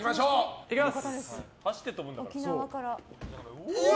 いきます。